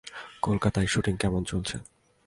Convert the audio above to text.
কলকাতায় শুটিং কেমন চলছে?